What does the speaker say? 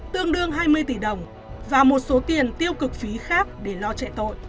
tương đương hai mươi tỷ đồng và một số tiền tiêu cực phí khác để lo chạy tội